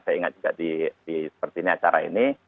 saya ingat juga di seperti ini acara ini